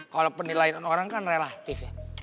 kalau penilaian orang kan relatif ya